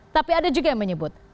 tapi ada juga yang menyebut